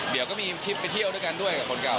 เดี๋ยวก็มีทริปไปเที่ยวด้วยกันด้วยกับคนเก่า